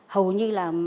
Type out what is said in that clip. hầu như là